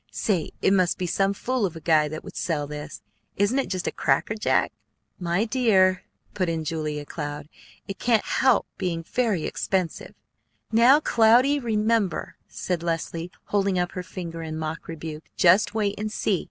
Say, it must be some fool of a guy that would sell this. Isn't it just a crackerjack?" "My dear," put in Julia Cloud, "it can't help being very expensive " "Now, Cloudy, remember!" said Leslie, holding up her finger in mock rebuke. "Just wait and see!